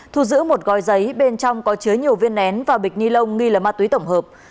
thu giữ một gói giấy bên trong có chứa nhiều viên nén và bịch ni lông nghi là ma túy tổng hợp